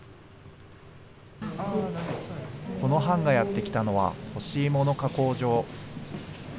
この班がやって来たのは、干しいもの加工場。